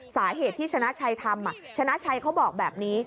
สาเหตุที่ชนะชัยทำชนะชัยเขาบอกแบบนี้